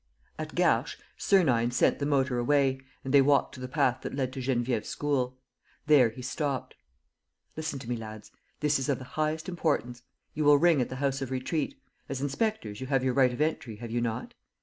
At Garches, Sernine sent the motor away, and they walked to the path that led to Geneviève's school. There he stopped: "Listen to me, lads. This is of the highest importance. You will ring at the House of Retreat. As inspectors, you have your right of entry, have you not?